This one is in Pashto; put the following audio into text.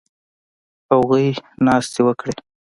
هغوی ناستې وکړې